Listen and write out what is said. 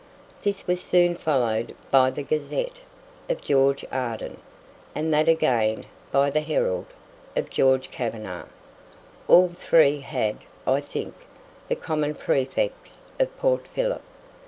This was soon followed by "The Gazette" of George Arden, and that again by "The Herald" of George Cavenagh. All three had, I think, the common prefix of "Port Phillip".